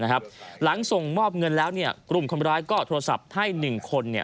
หลังส่งมอบเงินแล้วกลุ่มคนร้ายก็โทรศัพท์ให้๑คน